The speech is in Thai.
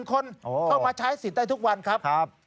คนเข้ามาใช้สิทธิ์ได้ทุกวันครับ